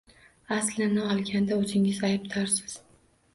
Aslini olganda o'zingiz aybdorsiz!